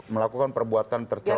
melakukan perbuatan tercelak